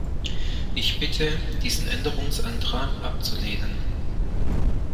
Ich bitte, diesen Änderungsantrag abzulehnen.